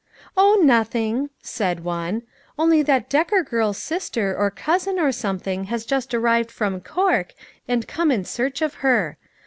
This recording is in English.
"O, nothing," said one; "only that Decker girl's sister, or cousin, or something has just arrived from Cork, and come in search of her.